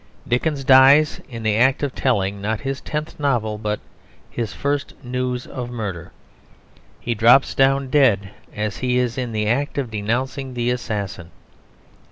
Dickens dies in the act of telling, not his tenth novel, but his first news of murder. He drops down dead as he is in the act of denouncing the assassin.